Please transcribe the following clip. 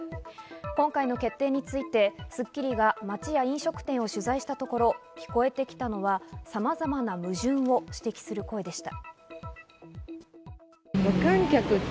今回の決定について『スッキリ』が街や飲食店などを取材したところ聞こえてきたのはさまざまな矛盾を指摘する声でした。